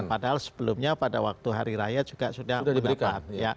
padahal sebelumnya pada waktu hari raya juga sudah mendapat